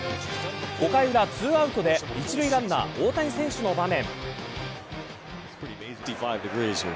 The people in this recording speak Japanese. ５回裏２アウトで１塁ランナー大谷選手の場面。